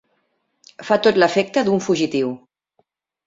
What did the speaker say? Fa tot l'efecte d'un fugitiu.